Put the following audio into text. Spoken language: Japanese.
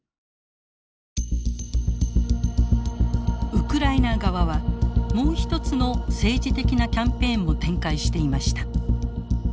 ウクライナ側はもうひとつの政治的なキャンペーンも展開していました。